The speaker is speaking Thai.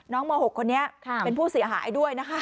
ม๖คนนี้เป็นผู้เสียหายด้วยนะคะ